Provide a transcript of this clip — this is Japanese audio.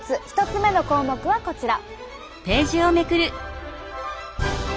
１つ目の項目はこちら！